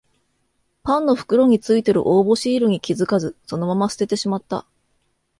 パンの袋についてる応募シールに気づかずそのまま捨ててしまった